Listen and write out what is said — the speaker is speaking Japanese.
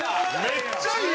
めっちゃいい！